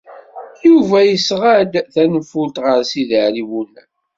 Yuba yesɣa-d tanfult ɣer Sidi Ɛli Bunab.